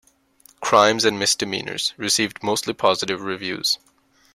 "Crimes and Misdemeanors" received mostly positive reviews.